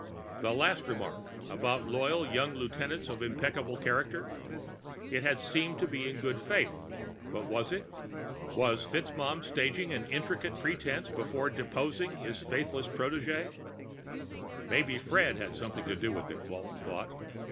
That last remark, about loyal young lieutenants of impeccable character ... it had seemed to be in good faith, but was it? Was FitzMaugham staging an intricate pretense before deposing his faithless protégé? Maybe Fred had something to do with it, Walton thought.